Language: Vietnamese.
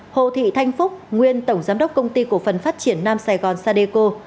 hồ thị thanh phúc nguyên tổng giám đốc công ty cổ phần phát triển nam sài gòn sadeco